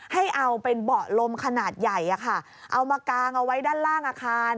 ให้เอาเป็นเบาะลมขนาดใหญ่เอามากางเอาไว้ด้านล่างอาคาร